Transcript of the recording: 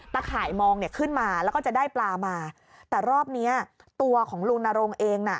ข่ายมองเนี่ยขึ้นมาแล้วก็จะได้ปลามาแต่รอบเนี้ยตัวของลุงนรงเองน่ะ